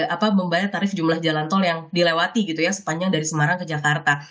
apa membayar tarif jumlah jalan tol yang dilewati gitu ya sepanjang dari semarang ke jakarta